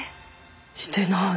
してない。